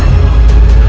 putra mahkota itu segera